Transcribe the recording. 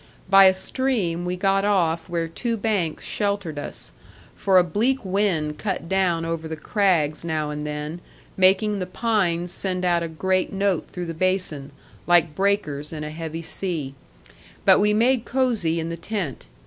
By a stream we got off where two banks sheltered us; for a bleak wind cut down over the crags now and then, making the pines send out a great note through the basin, like breakers in a heavy sea. But we made cosey in the tent.